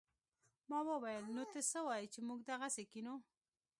ما وويل نو ته څه وايې چې موږ دغسې کښينو.